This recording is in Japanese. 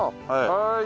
はい。